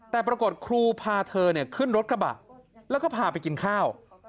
แต่ปรากฏครูพาเธอขึ้นรถกระบะแล้วก็พาไปกินข้าว